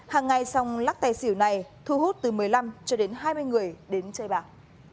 hàng ngày song lắc tài xỉu này thu hút từ một mươi năm cho đến hai mươi người đến chơi bạc